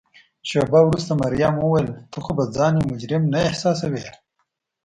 شیبه وروسته مريم وویل: ته خو به ځان یو مجرم نه احساسوې؟